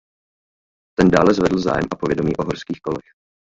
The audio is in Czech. Ten dále zvedl zájem a povědomí o horských kolech.